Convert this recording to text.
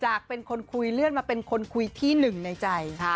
จากเป็นคนคุยเลื่อนมาเป็นคนคุยที่หนึ่งในใจ